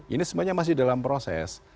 ini semuanya masih dalam proses